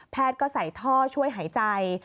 แพทย์ก็ใส่ท่อช่วยหายใจ